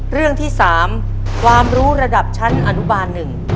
เรื่องที่๓ความรู้ระดับชั้นอนุบาล๑